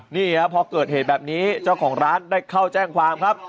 นี่ครับพอเกิดเหตุแบบนี้เจ้าของร้านได้เข้าแจ้งความครับ